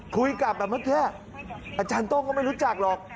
คุยกับแบบเมื่อกี้อาจารย์โต้งก็ไม่รู้จักหรอก